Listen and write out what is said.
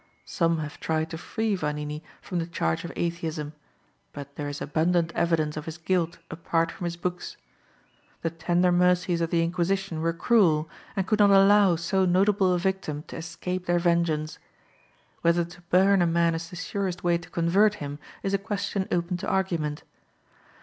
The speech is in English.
Some have tried to free Vanini from the charge of Atheism, but there is abundant evidence of his guilt apart from his books. The tender mercies of the Inquisition were cruel, and could not allow so notable a victim to escape their vengeance. Whether to burn a man is the surest way to convert him, is a question open to argument.